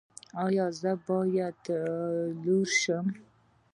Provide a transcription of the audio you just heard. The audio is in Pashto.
ایا زه باید لور شم؟